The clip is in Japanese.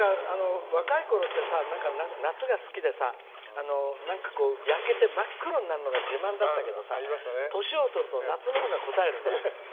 若いころって夏が好きで焼けて真っ黒になるのが自慢だったけどさ年をとると夏のほうがこたえるね。